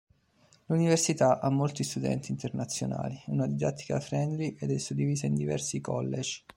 L'università ha molti studenti internazionali, una didattica "friendly" ed è suddivisa in diversi college.